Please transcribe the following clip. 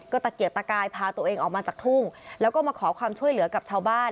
ตะเกียกตะกายพาตัวเองออกมาจากทุ่งแล้วก็มาขอความช่วยเหลือกับชาวบ้าน